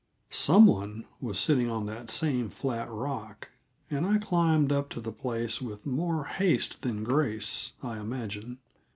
Some one was sitting on the same flat rock, and I climbed up to the place with more haste than grace, I imagine.